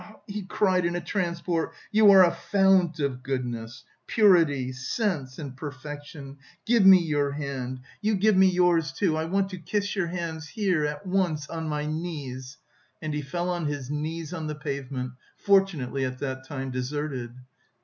he cried in a transport, "you are a fount of goodness, purity, sense... and perfection. Give me your hand... you give me yours, too! I want to kiss your hands here at once, on my knees..." and he fell on his knees on the pavement, fortunately at that time deserted.